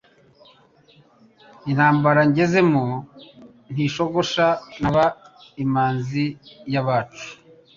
Intambara ngezemo ntishogosha Nkaba imanzi y' abacu.